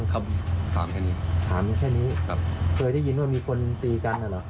คำถามแค่นี้ถามอยู่แค่นี้ครับเคยได้ยินว่ามีคนตีกันน่ะเหรอ